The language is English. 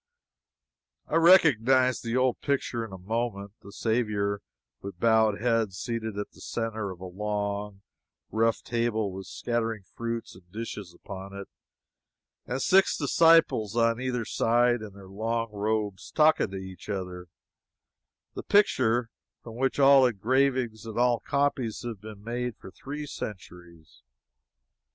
I recognized the old picture in a moment the Saviour with bowed head seated at the centre of a long, rough table with scattering fruits and dishes upon it, and six disciples on either side in their long robes, talking to each other the picture from which all engravings and all copies have been made for three centuries.